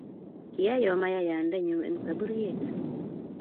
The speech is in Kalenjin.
kiayo mayayande nyu eng' saburiet.